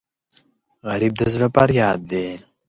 غریب د زړه فریاد دی